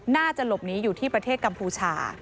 น่าจะหลบหนีอยู่ที่ประเทศกัมพูชา